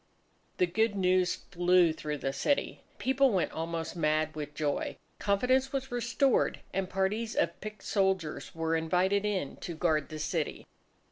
The good news flew through the city. People went almost mad with joy. Confidence was restored; and parties of picked soldiers were invited in to guard the city.